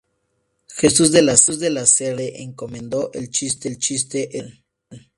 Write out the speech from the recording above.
Jesús de la Serna le encomendó el chiste editorial.